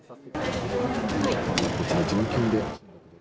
こちら純金で。